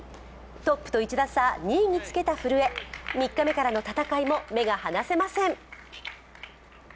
トップと１打差、２位につけた古江３日目からの戦いも目が離せません。